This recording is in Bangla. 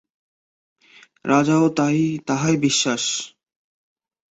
রাজারও তাহাই বিশ্বাস।